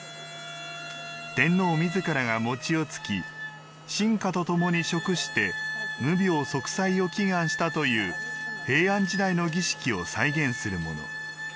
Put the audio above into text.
天皇自らが餅をつき臣下とともに食して無病息災を祈願したという平安時代の儀式を再現するもの。